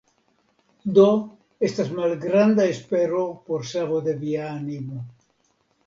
Do estas malgranda espero por savo de via animo.